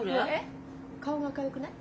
顔が明るくない？